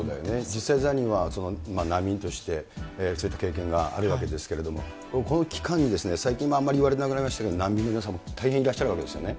実際ザニーは、難民としてそういった経験があるわけですけれども、この期間に最近あんまり言わなくなりましたけれども、難民の皆さんも大変いらっしゃるわけですよね。